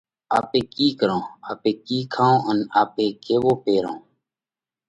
آپي ڪِي ڪرونه؟ آپي ڪِي کائونه؟ آپي ڪيوَو پيرونه؟